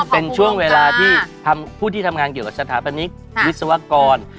เป็นช่วงเวลาที่ผู้ที่ทำงานเกี่ยวกับสถาปนิกวิศวกร